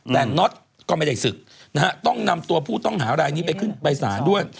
แต่น็อตก็ไม่ได้ศึกนะฮะต้องนำตัวผู้ต้องหารายนี้ไปขึ้นไปศาลด้วย